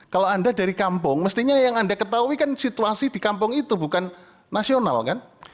kalau anda dari kampung mestinya yang anda ketahui kan situasi di kampung itu bukan nasional kan